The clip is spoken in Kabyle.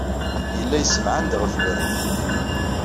Yella yessemɛan-d ɣef berru.